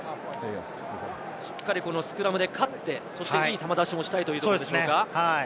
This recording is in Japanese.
しっかりスクラムで勝って、いい球出しをしたいというところでしょうか？